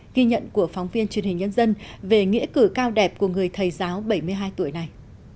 ghi nhận của phóng viên truyền hình nhân dân về nghĩa cử cao đẹp của người thầy giáo bảy mươi hai tuổi này